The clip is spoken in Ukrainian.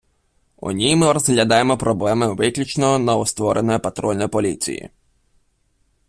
У ній ми розглядаємо проблеми виключно новоствореної Патрульної поліції.